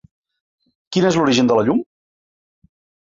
Quin és l’origen de la llum?